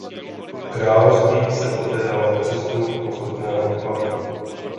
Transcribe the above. Království se poté dalo na cestu postupného úpadku.